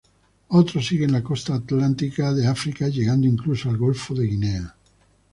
Otros siguen la costa atlántica de África llegando incluso al golfo de Guinea.